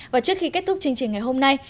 và trước khi kết thúc chương trình ngày hôm nay